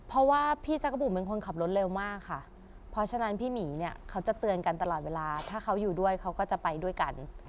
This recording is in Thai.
เพราะว่าพี่จักรบุ๋มเป็นคนขับรถเร็วมากค่ะเพราะฉะนั้นพี่หมีเนี่ยเขาจะเตือนกันตลอดเวลาถ้าเขาอยู่ด้วยเขาก็จะไปด้วยกัน